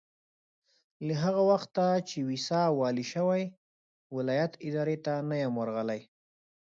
له هغه وخته چې ويساء والي شوی ولایت ادارې ته نه یم ورغلی.